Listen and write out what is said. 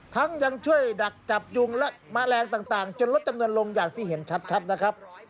ยังช่วยดักจับยุงและแมลงต่างจนลดจำนวนลงอย่างที่เห็นชัดนะครับ